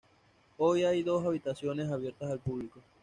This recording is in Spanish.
Hoy hay dos habitaciones abiertas al público.